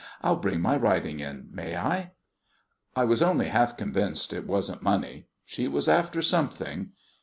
I'll bring my writing in may I?" I was only half convinced it wasn't money; she was after something.